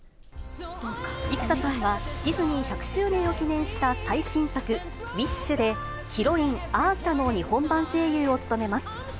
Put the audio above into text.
生田さんは、ディズニー１００周年を記念した最新作、ウィッシュで、ヒロイン、アーシャの日本版声優を務めます。